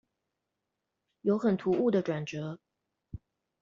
有很突兀的轉折